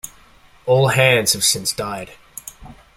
All Hands have since died.